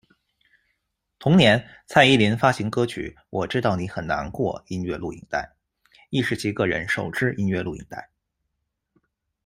同年，蔡依林发行歌曲《我知道你很难过》音乐录影带，亦是其个人首支音乐录影带。